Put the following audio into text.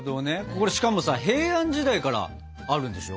これしかもさ平安時代からあるんでしょ？